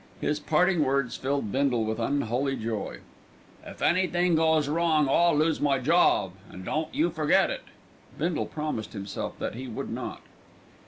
His parting words filled Bindle with unholy joy. "If anythin' goes wrong I'll lose my job, and don't you forget it." Bindle promised himself that he would not.